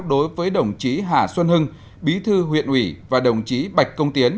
đối với đồng chí hà xuân hưng bí thư huyện ủy và đồng chí bạch công tiến